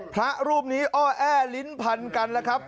พระรูปนี้อ้อแอลิ้นพันกันแล้วครับ